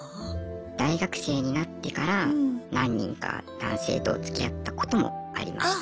大学生になってから何人か男性とつきあったこともありましたね。